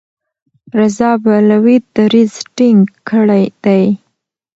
رضا پهلوي دریځ ټینګ کړی دی.